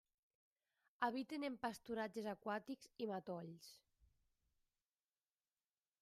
Habiten en pasturatges aquàtics i matolls.